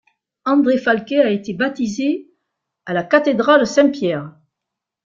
André Falquet a été baptisé le à la cathédrale Saint-Pierre.